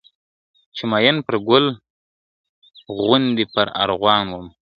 چي مین پر ګل غونډۍ پر ارغوان وم ..